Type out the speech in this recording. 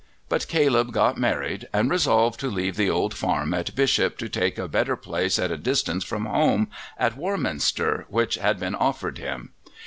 But Caleb got married, and resolved to leave the old farm at Bishop to take a better place at a distance from home, at Warminster, which had been offered him.